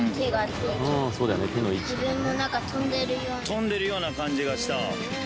跳んでるような感じがした。